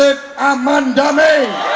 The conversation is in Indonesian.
tertib aman damai